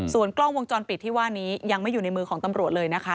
ส่วนกล้องวงจรปิดที่ว่านี้ยังไม่อยู่ในมือของตำรวจเลยนะคะ